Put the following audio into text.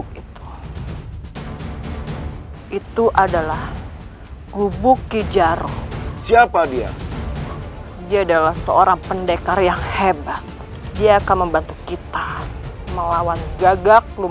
kurang ajar siapa yang berani bakar gunggu